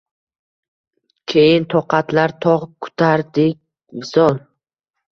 Keyin, toqatlar-toq, kutardik visol